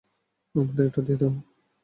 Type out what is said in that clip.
আমাদের এটা দিয়ে দাও।